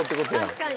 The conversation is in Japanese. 確かに。